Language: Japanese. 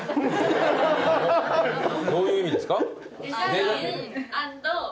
どういう意味ですか？